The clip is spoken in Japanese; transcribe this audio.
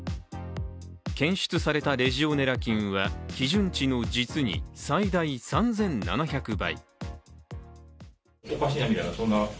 検出されたレジオネラ菌は基準値の実に最大３７００倍。